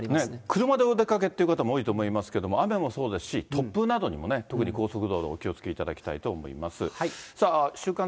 車でお出かけという方も多いと思いますけれども、雨もそうですし、突風などにもね、特に高速道路、お気をつけいただきたいと思います。